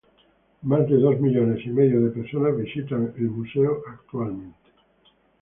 Más de dos millones y medio de personas visitan el museo anualmente.